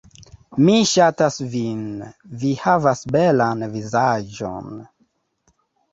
Mi ŝatas vin, vi havas belan vizaĝon.